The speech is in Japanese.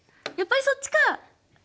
やっぱりそっちか。